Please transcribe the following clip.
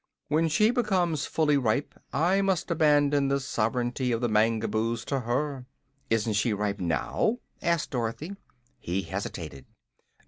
When she becomes fully ripe I must abandon the sovereignty of the Mangaboos to her." "Isn't she ripe now?" asked Dorothy. He hesitated.